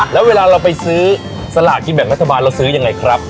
แล้วเวลาเราไปซื้อสลากกินแบ่งรัฐบาลเราซื้อยังไงครับ